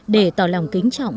để tỏ lòng kính trọng